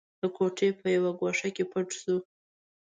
د کوټې په يوه ګوښه کې پټ شو.